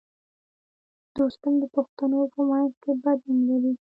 دوستم د پښتنو په منځ کې بد نوم لري